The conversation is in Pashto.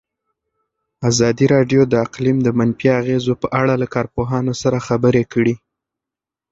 ازادي راډیو د اقلیم د منفي اغېزو په اړه له کارپوهانو سره خبرې کړي.